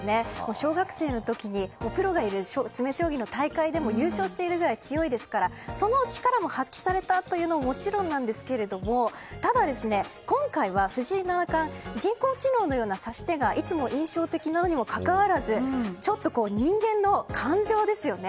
小学生の時にプロがいる詰将棋の大会でも優勝しているぐらい強いですからその力を発揮されたというのももちろんですがただ、今回は藤井七冠人工知能のような指し手がいつも印象的なのにもかかわらずちょっと人間の感情ですよね。